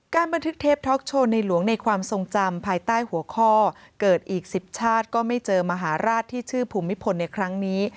บันทึกเทปท็อกโชว์ในหลวงในความทรงจำภายใต้หัวข้อเกิดอีก๑๐ชาติก็ไม่เจอมหาราชที่ชื่อภูมิพลในครั้งนี้